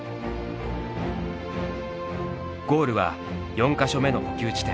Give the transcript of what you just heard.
ゴールは４か所目の補給地点